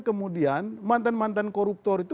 kemudian mantan mantan koruptor itu